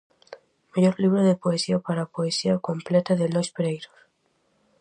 Mellor libro de poesía para Poesía completa de Lois Pereiro.